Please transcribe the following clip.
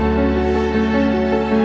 keluar dari diributimu